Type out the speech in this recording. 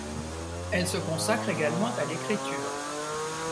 Elle se consacre également à l’écriture.